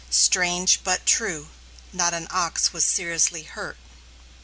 Strange, but true, not an ox was seriously hurt!